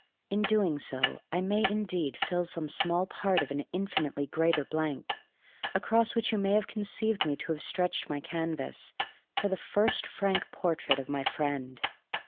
In so doing I may indeed fill some small part of an infinitely greater blank, across which you may conceive me to have stretched my canvas for the first frank portrait of my friend.